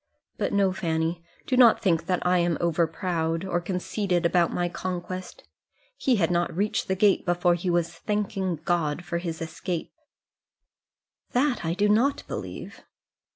But, no, Fanny; do not think that I am over proud, or conceited about my conquest. He had not reached the gate before he was thanking God for his escape." "That I do not believe."